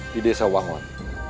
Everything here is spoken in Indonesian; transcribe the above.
di desa wangwan